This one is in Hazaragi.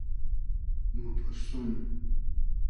موپورسوم